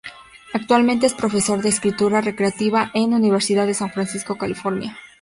Actualmente es profesor de escritura creativa en la Universidad de San Francisco, California.